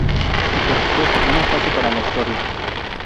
Y por supuesto, una frase para la historia.